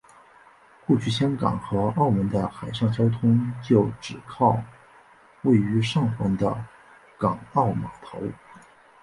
过去香港和澳门的海上交通就只靠位于上环的港澳码头。